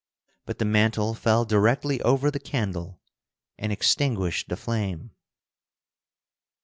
But the mantle fell directly over the candle and extinguished the flame.